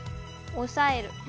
押さえる。